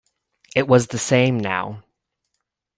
It was the same now.